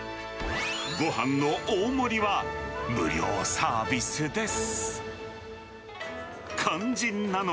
ごはんの大盛りは無料サービスです。